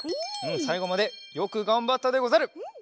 さいごまでよくがんばったでござる。